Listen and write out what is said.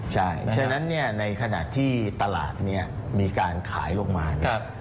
ใช่ฉะนั้นเนี่ยในขณะที่ตลาดเนี่ยมีการขายลงมาเนี่ย